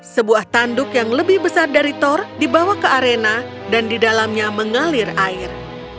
sebuah tanduk yang lebih besar dari thor dibawa ke arena dan di dalamnya mengalir air